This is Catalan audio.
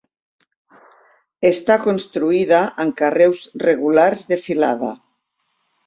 Està construïda amb carreus regulars de filada.